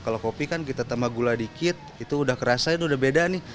kalau kopi kan kita tambah gula dikit itu udah kerasain udah beda nih